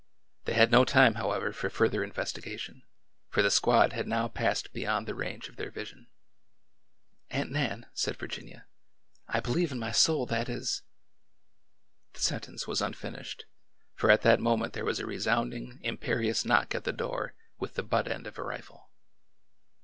They had no time, however, for further investigation, for the squad had now passed beyond the range of their vision. " Aunt Nan !" said Virginia. " I believe in my soul that is—" The sentence was unfinished, for at that moment there was a resounding, imperious knock at the door with the butt end of a rifle.